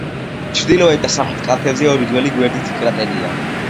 ჩრდილოეთ და სამხრეთ კალთებზე ორი ძველი გვერდითი კრატერია.